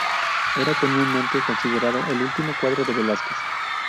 Era comúnmente considerado el último cuadro de Velázquez.